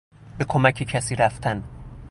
به کمک کسی رفتن